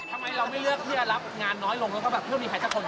ทำไมเราไม่เลือกเพื่อนรับงานน้อยลงแล้วก็แบบเพื่อมีใครจะขนแบบนี้